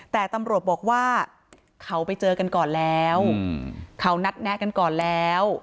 แต่ตำรวจบอกว่าเขาไปเจอกันก่อนแล้วเขานัดแนะกันก่อนแล้ว